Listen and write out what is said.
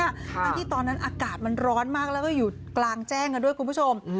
ทั้งที่ตอนนั้นอากาศมันร้อนมากแล้วก็อยู่กลางแจ้งกันด้วยคุณผู้ชม